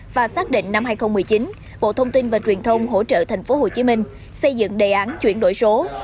và xác định năm hai nghìn một mươi chín bộ thông tin và truyền thông hỗ trợ tp hcm xây dựng đề án chuyển đổi số